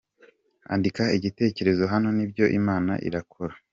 Andika Igitekerezo Hano nibyo imana irakora.